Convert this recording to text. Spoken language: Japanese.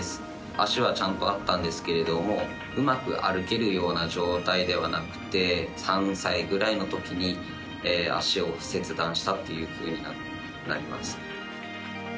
足はちゃんとあったんですけれどもうまく歩けるような状態ではなくて３歳ぐらいのときに足を切断したというふうになります。